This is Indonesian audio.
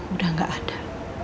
udah nggak ada